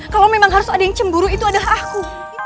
kalau memang harus ada yang cemburu itu adalah aku